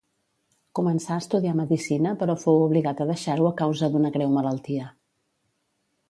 Començà a estudiar medicina però fou obligat a deixar-ho a causa d'una greu malaltia.